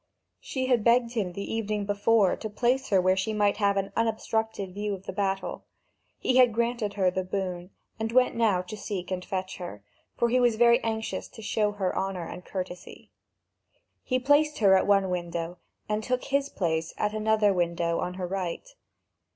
She had begged him the evening before to place her where she might have an unobstructed view of the battle; he had granted her the boon, and went now to seek and fetch her, for he was very anxious to show her honour and courtesy. He placed her at one window, and took his place at another window on her right.